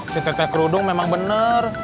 si teteh kerudung memang bener